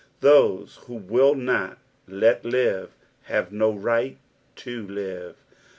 Those who will not "let live" have no right to "live."